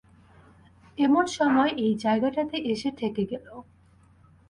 এমন সময় এই জায়গাটাতে এসে ঠেকে গেল।